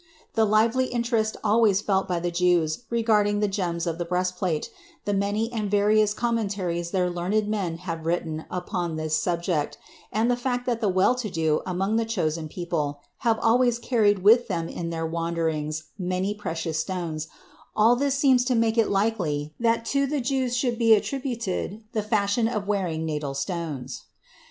The lively interest always felt by the Jews regarding the gems of the breastplate, the many and various commentaries their learned men have written upon this subject, and the fact that the well to do among the chosen people have always carried with them in their wanderings many precious stones, all this seems to make it likely that to the Jews should be attributed the fashion of wearing natal stones.